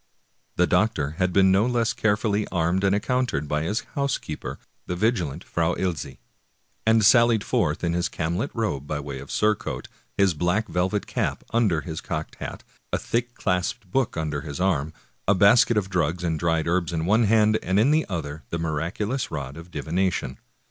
The doctor had been no less carefully armed and accou tered by his housekeeper, the vigilant Frau Ilsy, and sal lied forth in his camlet robe by way of surcoat,^ his black velvet cap under his cocked hat, a thick clasped book under his arm, a basket of drugs and dried herbs in one hand, and in the other the miraculous rod of divination.